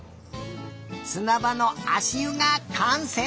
すなばのあしゆがかんせい！